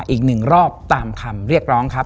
และในค่ำคืนวันนี้แขกรับเชิญที่มาเยี่ยมสักครั้งครับ